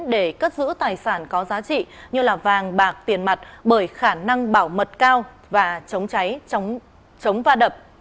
để cất giữ tài sản có giá trị như vàng bạc tiền mặt bởi khả năng bảo mật cao và chống cháy chống va đập